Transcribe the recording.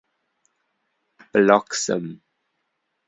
Bloxham.